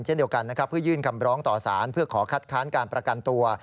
เพื่อยื่นกำร้องต่อศาลเพื่อขอคัดค้านการประกันตัว